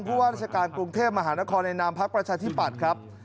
ว่าราชการกรุงเทพมหานครในนามพักประชาธิปัตย์ครับ